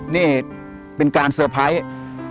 นี่เป็นการเซอร์ไพรส์